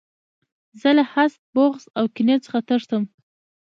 زه له حسد، بغض او کینې څخه تښتم.